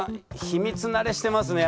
秘密慣れしてますね。